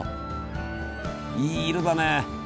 いい色だね。